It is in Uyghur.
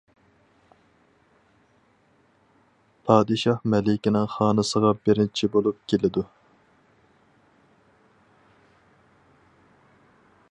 پادىشاھ مەلىكىنىڭ خانىسىغا بىرىنچى بولۇپ كېلىدۇ.